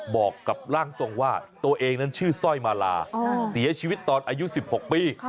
บอกกับร่างทรงว่าตัวเองนั้นชื่อสร้อยมาลาเสียชีวิตตอนอายุ๑๖ปี